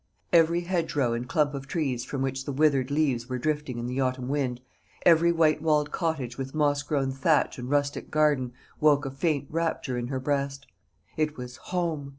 Every hedge row and clump of trees from which the withered leaves were drifting in the autumn wind, every white walled cottage with moss grown thatch and rustic garden, woke a faint rapture in her breast. It was home.